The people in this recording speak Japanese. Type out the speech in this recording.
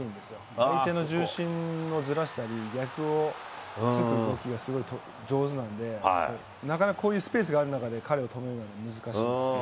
相手の重心をずらしたり、逆をつく動きがすごい上手なんで、なかなか、こういうスペースがある中で彼を止めるのは難しいんですけど。